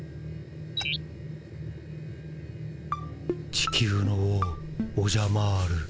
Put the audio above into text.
地球の王オジャマール。